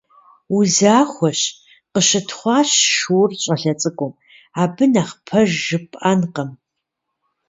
Узахуэщ,- къыщытхъуащ шур щӏалэ цӏыкӏум. - Абы нэхъ пэж жыпӏэнкъым.